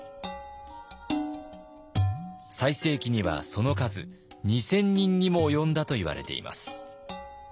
最盛期にはその数２，０００人にも及んだといわれています。